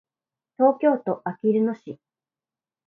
東京都あきる野市